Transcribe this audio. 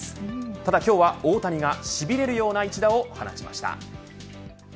ただ今日は大谷がしびれるような一打を放ちました。